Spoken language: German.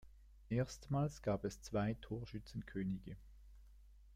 Erstmals gab es zwei Torschützenkönige.